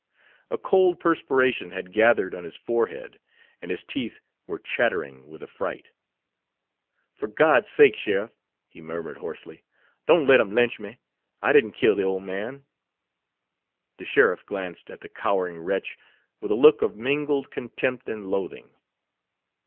A cold perspiration had gathered on his forehead, and his teeth were chattering with affright. "For God's sake, Sheriff," he murmured hoarsely, "don't let 'em lynch me; I did n't kill the old man." The sheriff glanced at the cowering wretch with a look of mingled contempt and loathing.